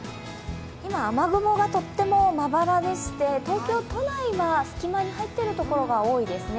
今、雨雲がとってもまばらでして、東京都内は隙間に入ってるところが多いですね。